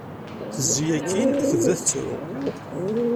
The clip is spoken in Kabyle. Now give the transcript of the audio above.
Tezzi akkin, tebda tettru.